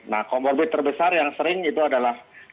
nah comorbid terbesar yang sering itu adalah